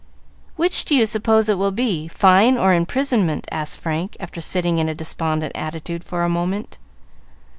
"Which do you suppose it will be, fine or imprisonment?" asked Frank, after sitting in a despondent attitude for a moment.